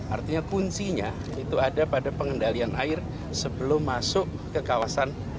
artinya kuncinya itu ada pada pengendalian air sebelum masuk ke kawasan